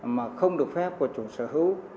mà không được phép của chủ sở hữu